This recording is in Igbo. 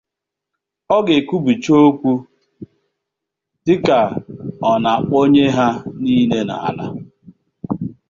Ọ ga-ekwubicha okwu dịka ọ na-akpọnye ha niile n'ala.